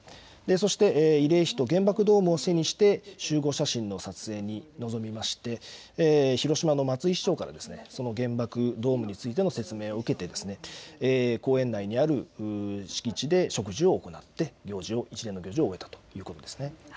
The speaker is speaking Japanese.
そして慰霊碑と原爆ドームを背にして集合写真の撮影に臨みまして広島の松井市長から原爆ドームについての説明を受けて公園内にある敷地で植樹を行って一連の行事を終えたということですね。